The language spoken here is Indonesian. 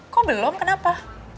kok belum kenapa